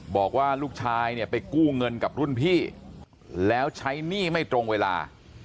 บอกว่าลูกชายเนี่ยไปกู้เงินกับรุ่นพี่แล้วใช้หนี้ไม่ตรงเวลา